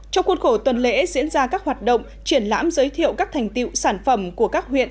trong khuôn khổ tuần lễ diễn ra các hoạt động triển lãm giới thiệu các thành tiệu sản phẩm của các huyện